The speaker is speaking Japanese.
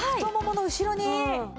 太ももの後ろに。